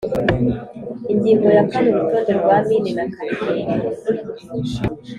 Ingingo ya kane Urutonde rwa mine na kariyeri